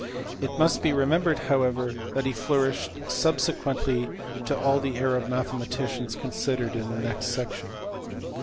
It must be remembered however that he flourished subsequently to all the Arab mathematicians considered in the next section.